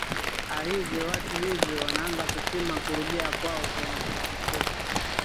a hivi watu hivi wanaanza kupima kurudia kwao kwenye walitoka